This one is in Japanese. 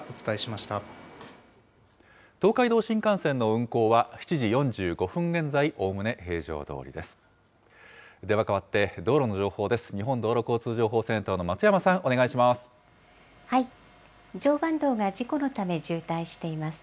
東海道新幹線の運行は７時４５分現在、おおむね平常どおりです。